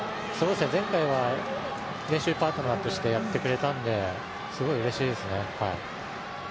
前回は練習パートナーとしてやってくれたので、すごいうれしいですね。